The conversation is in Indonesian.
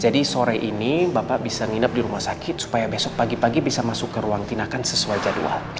jadi sore ini bapak bisa nginep di rumah sakit supaya besok pagi pagi bisa masuk ke ruang tindakan sesuai jadwal